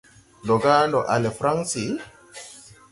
Ndɔ ga ndɔ a le Fransi?